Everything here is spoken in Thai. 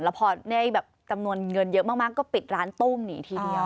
แล้วพอได้แบบจำนวนเงินเยอะมากก็ปิดร้านตุ้มหนีทีเดียว